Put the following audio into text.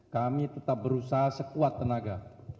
kami tetap berusaha sekuat tenaga